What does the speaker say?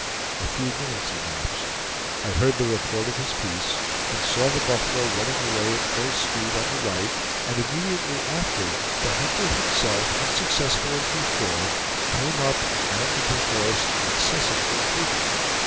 A few minutes elapsed; I heard the report of his piece, and saw the buffalo running away at full speed on the right, and immediately after, the hunter himself unsuccessful as before, came up and mounted his horse in excessive ill humor.